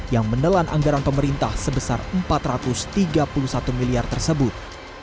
yang menelan anggaran pemerintah sebesar rp empat ratus tiga puluh satu miliar tersebut